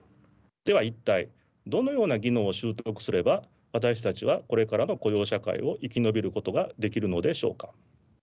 では一体どのような技能を習得すれば私たちはこれからの雇用社会を生き延びることができるのでしょうか。